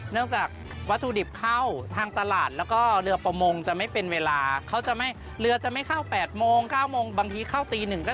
เนื่องจากวัตถุดิบเข้า